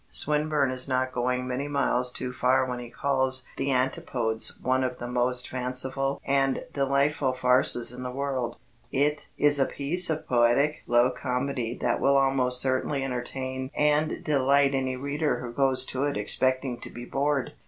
Swinburne is not going many miles too far when he calls The Antipodes "one of the most fanciful and delightful farces in the world." It is a piece of poetic low comedy that will almost certainly entertain and delight any reader who goes to it expecting to be bored.